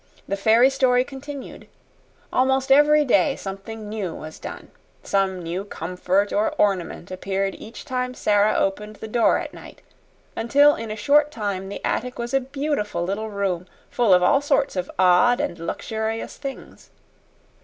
The fairy story continued. Almost every day something new was done. Some new comfort or ornament appeared each time Sara opened the door at night, until in a short time the attic was a beautiful little room full of all sorts of odd and luxurious things.